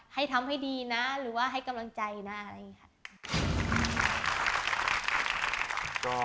ให้ทำให้ดีนะหรือว่าให้กำลังใจนะอะไรอย่างนี้ค่ะ